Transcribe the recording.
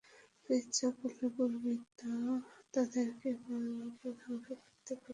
তুমি ইচ্ছা করলে পূর্বেই তো তাদেরকে এবং আমাকেও ধ্বংস করতে পারতে।